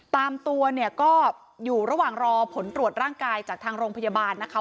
ตามตัวเนี่ยก็อยู่ระหว่างรอผลตรวจร่างกายจากทางโรงพยาบาลนะคะ